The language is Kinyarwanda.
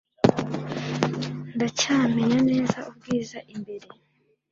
Ndacyamenya neza ubwiza imbere